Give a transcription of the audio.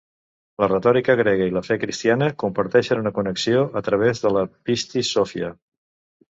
La retòrica grega i la fe cristiana comparteixen una connexió a través de la Pistis Sophia.